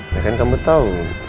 ya kan kamu tau